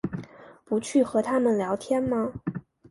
不去和他们聊天吗？